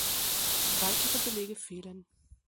Weitere Belege fehlen.